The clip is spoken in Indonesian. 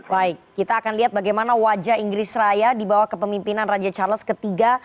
baik kita akan lihat bagaimana wajah inggris raya di bawah kepemimpinan raja charles iii